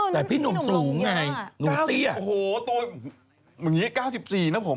แล้วพี่หนุ่มทำอย่างไรให้หนัก๙๔